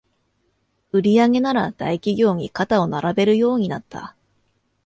売上なら大企業に肩を並べるようになった